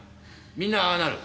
みんなああなる。